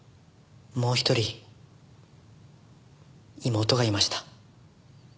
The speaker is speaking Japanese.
もう一人妹がいました。